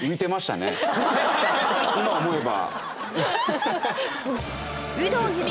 今思えば。